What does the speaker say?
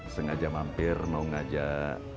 sengaja mampir mau ngajak